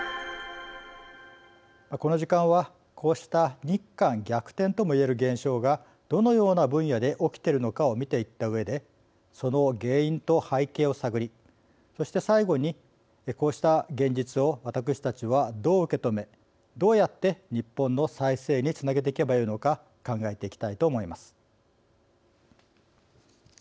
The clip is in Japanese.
この時間はこうした「日韓逆転」ともいえる現象がどのような分野で起きているのかをその原因と背景を探りそして最後に、こうした現実を私たちは、どう受け止めどうやって日本の再生につなげていけば良いのか考えていきたいと思います。